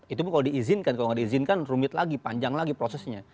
itu kalau diizinkan kalau nggak diizinkan rumit lagi panjang lagi prosesnya